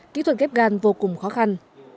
kỹ thuật ghép gan vô cùng khó khăn